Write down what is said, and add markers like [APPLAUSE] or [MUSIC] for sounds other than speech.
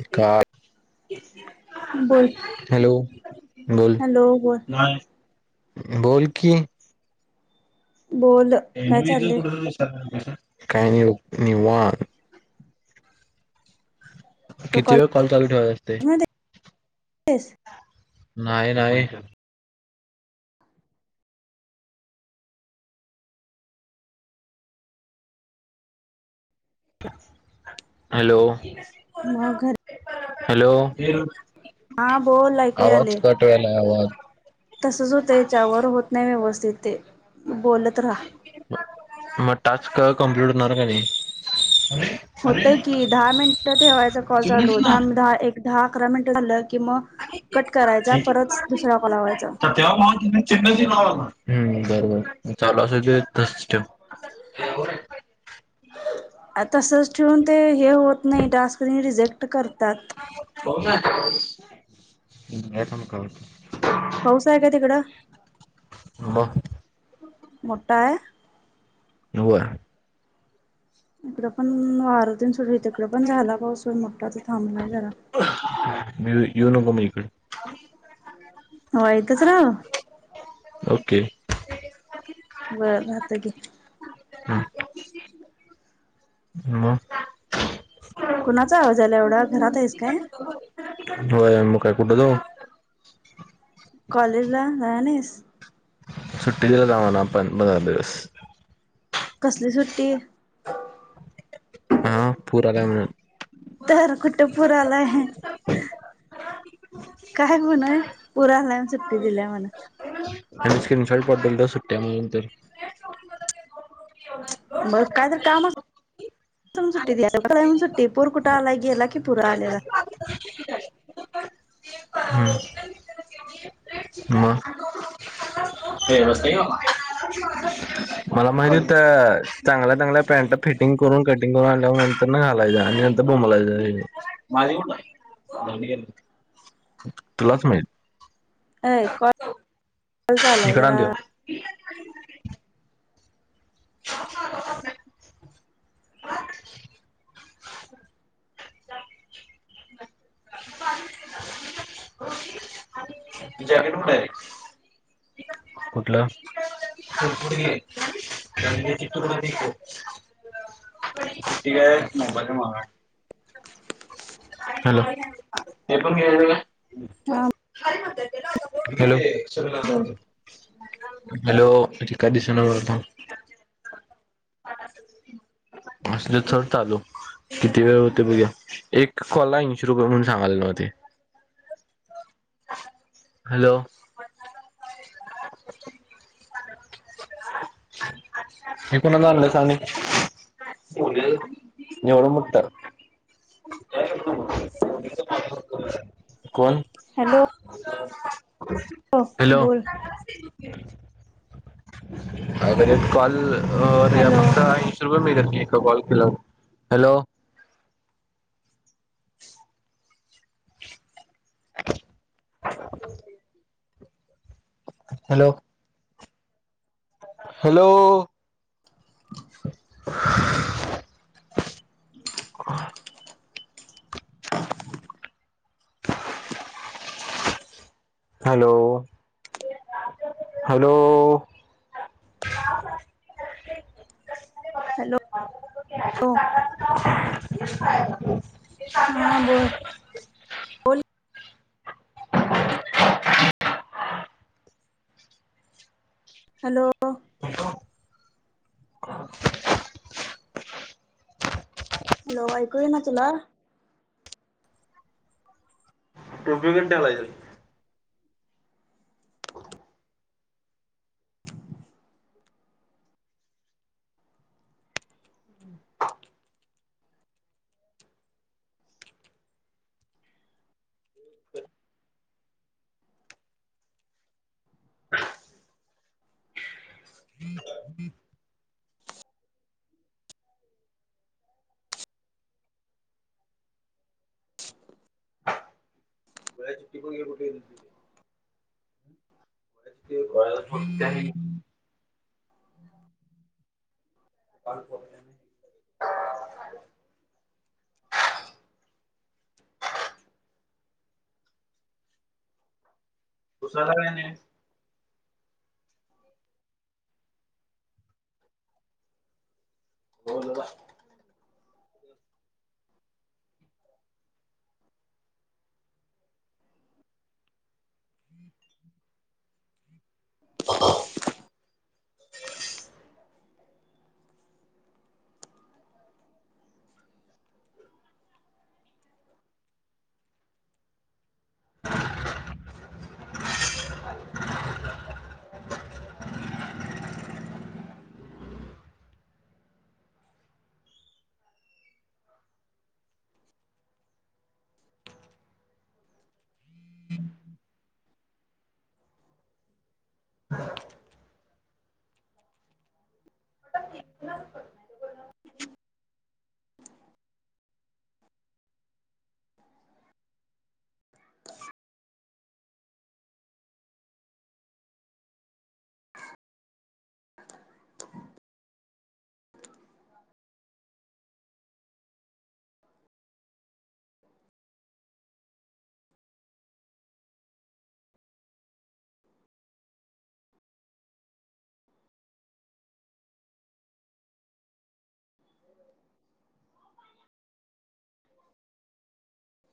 ए का. बोल हॅलो बोल हॅलो बोल बोल कि. बोल. काय एरवी च चाललंय कुठे जाऊन काही नाही निवान. तू किती वेळ कॉलेज कॉल चालू ठेवत असते. तेच. नाही नाहीय. हॅलो. मग घर. हॅलो हा बोल ऐकू आवाज यालय कट व्हायला आवाज. तसच होतय त्याच्यावर होत नाही व्यवस्थित ते बोलत. राहा मग टास्क कम्प्लीट होणार का नाही. होतय की दहा मिनिटा ठेवायचा कॉल चालू दहा द एक दहा अकरा मिनिट झालं की मग. कट करायचा परत दुसरा कॉल लावायचा. तेव्हा [UNINTELLIGIBLE] बरोबर चालू अस दस ठेव. हो येवडा. तसंच ठेवून ते हे होत नाही टास्कनी रिजेक्ट करतात. होय का घ्या तुम्ही काढुन. पाऊस आहे काय तिकडं. ह. मोटा आहे. होय. इकड पण वारतीन सुट तिकडे पण झाला पाऊस मोठा तर थांबलाय जरा. [UNINTELLIGIBLE] म येऊ नको मी येते. हो ईथेच राहु. ओके. बरं राहत की. हा. मग. कोणाचा आवाज याला एवढा, घरात आहेस काय? होय, मग काय कुठ जाऊ. कॉलेजला जाणार नाहीस? सुट्टी दिला जावना पण दहा दिवस. कसली सुट्टी? हा पूरा का म्हण. तर कुट पूर आला आहे. काय म्हणय पुर आलाय म सुट्टी दिल्याय म्हणा. आणि स्क्रीनशॉट पाठवतो सुट्ट्या म्हणून तर. मग काय तर कामा सुट्टीम [UNINTELLIGIBLE] सुट्टी पूर कुठं आलाय गेला की पूर आलेला. हम्म. हा [UNINTELLIGIBLE] तेवस ते. मला माहिती होत चांगल्या-चांगल्या पॅन्ट फिटिंग करून, कटिंग करून आणल्या. नाही आल्याचा आणि नंतर बोंबलायचा, माझी कुठ. [UNINTELLIGIBLE] तुलाच माहीत. ऐ कॉल [INAUDIBLE] चालू आहे इकडं आण जरा. त्यो. [UNINTELLIGIBLE] ब [UNINTELLIGIBLE] जॅकेट कुठं आहे रे? कुठलं? [UNINTELLIGIBLE] तु ठीक आहे, मोबाईलचा माग आहे. हॅलो! हे पण घे [UNINTELLIGIBLE] हा काय म्हणताय तेला आता, हॅलो! बोल [UNINTELLIGIBLE] हॅलो! ती काय दिसणं मला थांब. असले चड चालू. किती वेळ होते बघुया. एक कॉलला ऐंशी रुपये म्हणून सांगाले नव्ह ते. हॅलो! हे कोणाला आणलं सांग आणि, एवढं मोठं. [UNINTELLIGIBLE] कोण? हॅलो! [UNINTELLIGIBLE] हॅलो! [INAUDIBLE] बोल अग कॉल हॅलो याता [UNINTELLIGIBLE] [UNINTELLIGIBLE] कॉल केलो, hello! [INAUDIBLE] [UNINTELLIGIBLE] [INAUDIBLE] Hello! Hello! Hello! Hello! [INAUDIBLE] Hello. [INAUDIBLE] [INAUDIBLE] हा बोलं. हॅलो. हॅलो. [INAUDIBLE] हॅलो. ऐकूय ना तुला? [UNINTELLIGIBLE] [INAUDIBLE] [UNINTELLIGIBLE] [UNINTELLIGIBLE] कालपासनं [UNINTELLIGIBLE] [UNINTELLIGIBLE] [INAUDIBLE] [INAUDIBLE] [INAUDIBLE]